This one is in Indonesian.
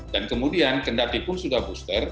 dan kemudian kendaki pun sudah booster